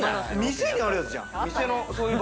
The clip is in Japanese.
店にあるやつじゃん！